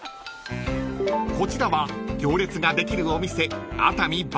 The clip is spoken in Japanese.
［こちらは行列ができるお店］